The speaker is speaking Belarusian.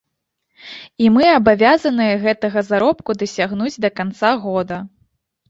І мы абавязаныя гэтага заробку дасягнуць да канца года.